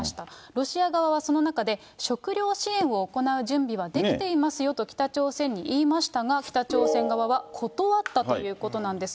ロシア側はその中で、食料支援を行う準備はできていますよと北朝鮮に言いましたが、北朝鮮側は断ったということなんです。